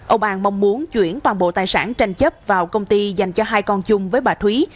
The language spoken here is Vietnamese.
ông an mong muốn chuyển toàn bộ tài sản tranh chấp vào công ty dành cho hai con chung với bà thúy